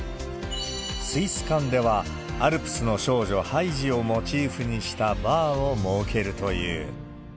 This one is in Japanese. スイス館では、アルプスの少女ハイジをモチーフにしたバーを設けるという。